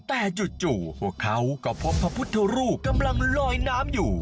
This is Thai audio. แต่จู่พวกเขาก็พบพระพุทธรูปกำลังลอยน้ำอยู่